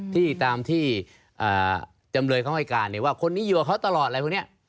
ที่ตามที่จำเลยเขาให้การว่าคนนี้อยู่กับเขาตลอดอะไรพวกนี้